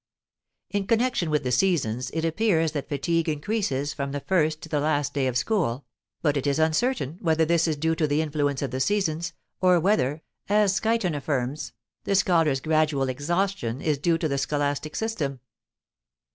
In connection with the seasons it appears that fatigue increases from the first to the last day of school, but it is uncertain whether this is due to the influence of the seasons, or whether, as Schuyten affirms, the scholar's gradual exhaustion is due to the scholastic system.